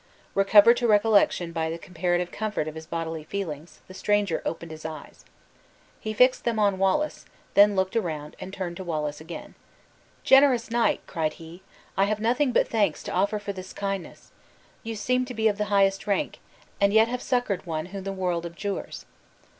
Recovered to recollection by the comparative comfort of his bodily feelings, the stranger opened his eyes. He fixed them on Wallace, then looked around, and turned to Wallace again. "Generous knight!" cried he, "I have nothing but thanks to offer for this kindness. You seem to be of the highest rank, and yet have succored one who the world abjures!"